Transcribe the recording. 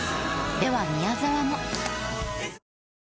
では宮沢も。